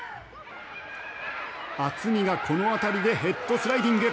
渥美がこの当たりでヘッドスライディング。